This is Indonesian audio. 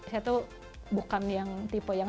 saya tuh bukan yang tipe yang